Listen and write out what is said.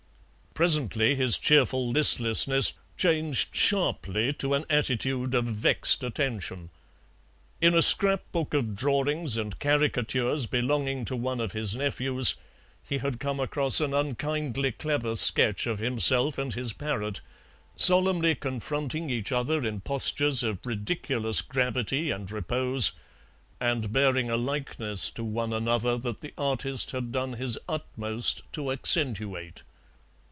Presently his cheerful listlessness changed sharply to an attitude of vexed attention. In a scrap book of drawings and caricatures belonging to one of his nephews he had come across an unkindly clever sketch of himself and his parrot, solemnly confronting each other in postures of ridiculous gravity and repose, and bearing a likeness to one another that the artist had done his utmost to accentuate.